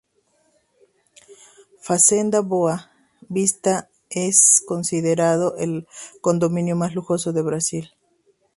Fazenda Boa Vista es considerado el condominio más lujoso de Brasil.